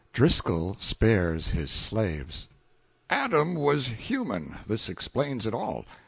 Driscoll Spares His Slaves. Adam was but human this explains it all.